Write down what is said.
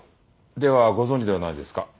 ではご存じではないですか？